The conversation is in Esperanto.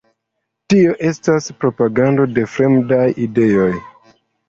Tio estas propagando de fremdaj ideoj!